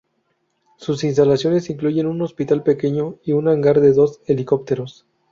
Sus instalaciones incluyen un hospital pequeño y un hangar de dos helicópteros.